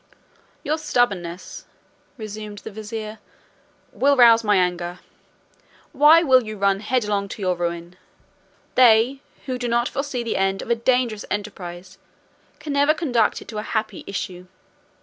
"Your stubbornness," resumed the vizier "will rouse my anger; why will you run headlong to your ruin? They who do not foresee the end of a dangerous enterprise can never conduct it to a happy issue.